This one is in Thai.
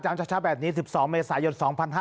จำช้าแบบนี้๑๒เมษายน๒๕๖๒